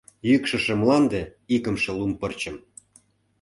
Йÿкшышö мланде икымше лум пырчым.